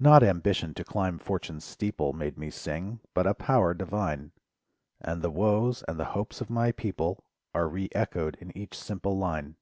Not ambition to climb Fortune's steeple Made me sing, but a power divine; And the woes, and the hopes of my People! Are re echoed in each simple line.